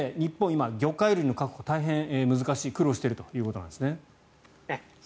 今、魚介類の確保が大変難しい苦労しているということなんですね。